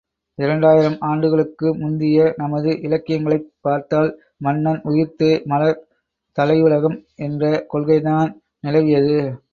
இரண்டாயிரம் ஆண்டுகளுக்கு முந்திய நமது இலக்கியங்களைப் பார்த்தால், மன்னன் உயிர்த்தே மலர் தலையுலகம் என்ற கொள்கைதான் நிலவியது.